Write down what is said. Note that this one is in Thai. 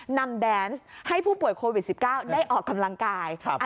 นำแบรนด์ให้ผู้ป่วยโควิดสิบเก้าได้ออกกำลังกายครับ